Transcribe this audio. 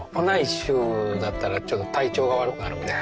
週だったらちょっと体調が悪くなるみたいな。